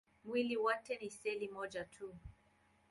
Mwili wote ni seli moja tu.